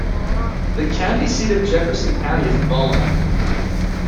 The county seat of Jefferson County is Beaumont.